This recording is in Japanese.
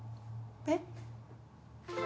えっ？